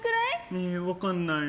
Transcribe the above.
いや、分かんない。